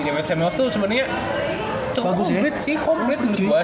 david samuels itu sebenarnya cukup komplit sih menurut gue